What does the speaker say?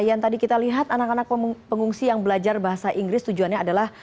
yang tadi kita lihat anak anak pengungsi yang belajar bahasa inggris tujuannya adalah